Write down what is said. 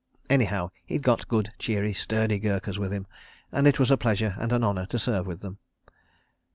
Anyhow, he'd got good cheery, sturdy Gurkhas with him, and it was a pleasure and an honour to serve with them.